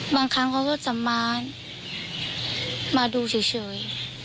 บางครั้งเขาก็สมานมาดูเฉย